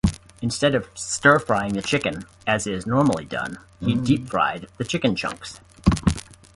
Instead of stir-frying the chicken, as is normally done, he deep-fried the chicken chunks.